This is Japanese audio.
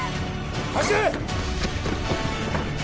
走れ！